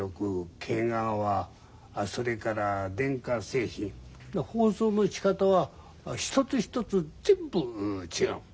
それから電化製品包装のしかたは一つ一つ全部違う。